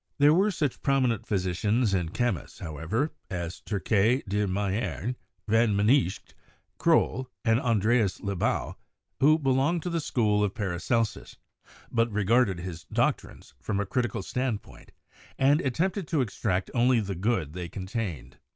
There were such prominent physicians and chemists, PERIOD OF MEDICAL MYSTICISM 67 however, as Turquet de Mayerne, van Mynsicht, Croll and Andreas Libau, who belonged to the school of Paracelsus, but regarded his doctrines from a critical standpoint and attempted to extract only the good they contained.